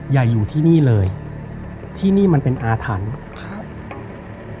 อย่าอยู่ที่นี่เลยที่นี่มันเป็นอาถรรพ์ครับ